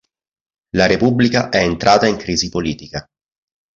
La repubblica è entrata in crisi politica.